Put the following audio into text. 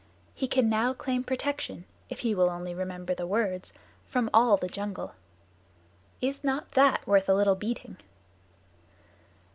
He can now claim protection, if he will only remember the words, from all in the jungle. Is not that worth a little beating?"